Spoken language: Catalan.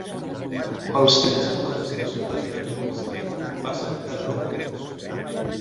Els trens cap a l'estació de Liverpool Street passen cada deu minuts.